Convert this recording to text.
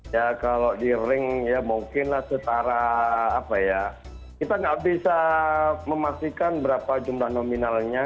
ya kalau di ring ya mungkinlah setara apa ya kita nggak bisa memastikan berapa jumlah nominalnya